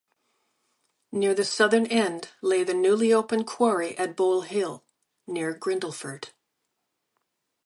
Near the southern end lay the newly opened quarry at Bole Hill near Grindleford.